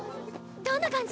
どんな感じ